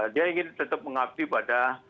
dia ingin tetap mengabdi pada